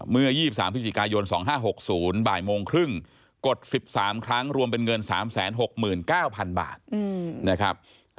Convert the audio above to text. เมื่อ๒๓พฤศจิกายน๒๕๖๐บ่ายโมงครึ่งกด๑๓ครั้งรวมเป็นเงิน๓๖๙๐๐บาทนะครับ